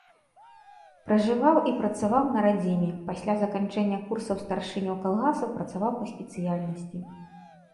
Пражываў і працаваў на радзіме, пасля заканчэння курсаў старшыняў калгасаў працаваў па спецыяльнасці.